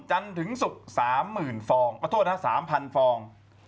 จันทร์ถึงศุกร์๓หมื่นฟองประโทษนะ๓พันธุ์ฟอง